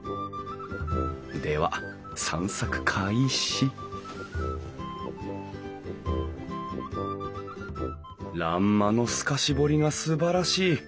では散策開始欄間の透かし彫りがすばらしい！